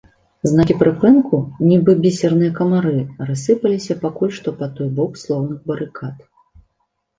Знакі прыпынку, нібы бісерныя камары, рассыпаліся пакуль што па той бок слоўных барыкад.